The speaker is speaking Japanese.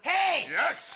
よし！